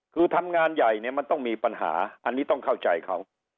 คือทำงานใหญ่เนี่ยมันต้องมีปัญหาอันนี้ต้องเข้าใจเขา